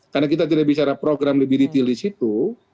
karena kita tidak bicara program lebih detail di situ